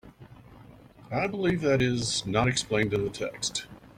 I believe that this is not explained in the text.